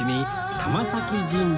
玉前神社。